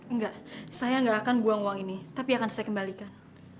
enggak saya nggak akan buang uang ini tapi akan saya kembalikan